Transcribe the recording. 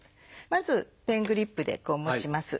まずペングリップで持ちます。